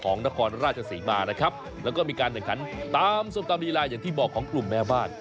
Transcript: นครราชศรีมานะครับแล้วก็มีการแข่งขันตามส้มตำลีลาอย่างที่บอกของกลุ่มแม่บ้าน